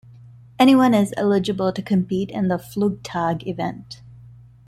Anyone is eligible to compete in the Flugtag event.